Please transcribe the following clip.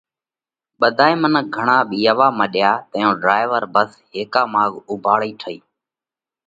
ٻڌائي منک گھڻا ٻِيئاوا مڏيا تئيون ڍرائيور ڀس هيڪا ماڳ اُوڀاڙئي هٺئِي۔